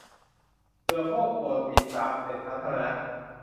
เบื่อพวกโหลดบิทตามเน็ตสาธารณะ